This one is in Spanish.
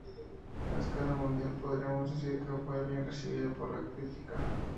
A escala mundial podríamos decir que fue bien recibida por la crítica.